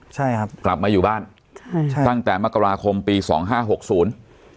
ใช่ครับกลับมาอยู่บ้านใช่ใช่ตั้งแต่มกราคมปีสองห้าหกศูนย์